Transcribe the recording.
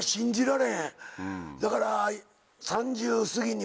だから。